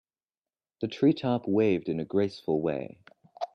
The tree top waved in a graceful way.